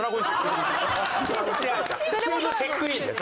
違う普通のチェックインだよ！